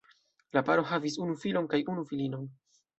La paro havis unu filon kaj unu filinon.